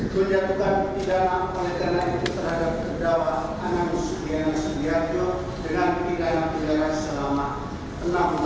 penyatakan pindahan oleh dana itu terhadap terdakwa anang susi anang sudi arjo dengan pindahan pindahan selama enam tahun